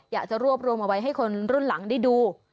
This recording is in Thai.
อยากจะรวบรวมเอาไว้ให้คนรุ่นหลังได้ดู